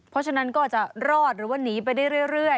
เพราะฉะนั้นก็จะรอดหรือว่าหนีไปได้เรื่อย